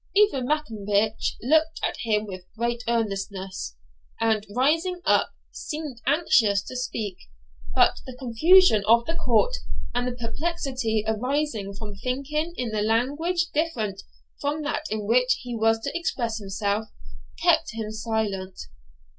Evan Maccombich looked at him with great earnestness, and, rising up, seemed anxious to speak; but the confusion of the court, and the perplexity arising from thinking in a language different from that in which he was to express himself, kept him silent.